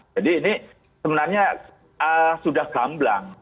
jadi ini sebenarnya sudah gamblang